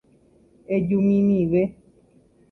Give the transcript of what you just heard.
Ejumimive.